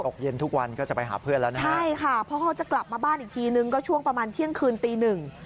เย็นทุกวันก็จะไปหาเพื่อนแล้วนะใช่ค่ะเพราะเขาจะกลับมาบ้านอีกทีนึงก็ช่วงประมาณเที่ยงคืนตีหนึ่ง